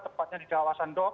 tepatnya di kawasan dok